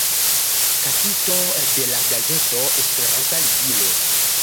Kasisto de la gazeto Esperanta Ligilo.